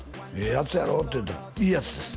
やつやろって言うたのいいやつです